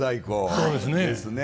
そうですね。